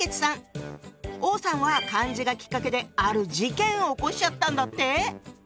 王さんは漢字がきっかけである事件を起こしちゃったんだって。